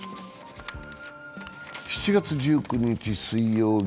７月１９日水曜日。